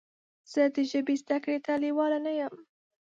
زه د ژبې زده کړې ته لیواله نه یم.